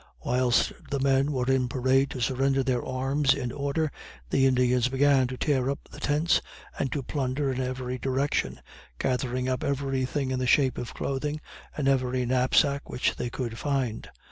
Whilst the men were in parade to surrender their arms in order, the Indians began to tear up the tents and to plunder in every direction gathering up every thing in the shape of clothing, and every knapsack which they could find.